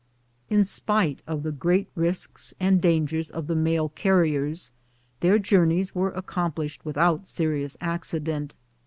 In spite of the great risks and dangers of the mail carriers, their journeys were accomplished without seri ous accident.